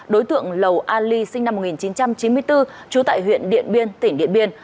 đối tượng lầu ali sinh năm một nghìn chín trăm chín mươi bốn trú tại huyện điện biên tỉnh điện biên